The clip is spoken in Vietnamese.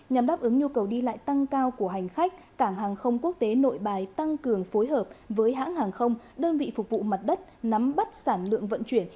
nhằm đáp ứng nhu cầu đi lại tăng cao của hành khách cảng hàng không quốc tế nội bài tăng cường phối hợp với hãng hàng không đơn vị phục vụ mặt đất nắm bắt sản lượng vận chuyển